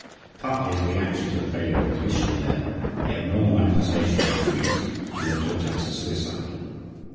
Partly as a reaction to the failure of his mission there, the abnormal manifestations increased and led to attempts at suicide.